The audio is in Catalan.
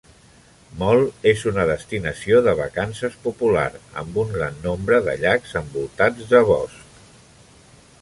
Mol és una destinació de vacances popular, amb una gran nombre de llacs envoltats de bosc.